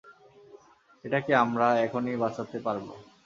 এটাকে আমরা এখন-ই বাঁচাতে পারবো।